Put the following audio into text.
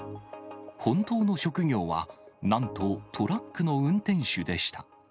本当の職業は、なんとトラックの運転手でした。